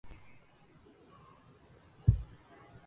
أمر السلطان بالشاعر يوما فأتاه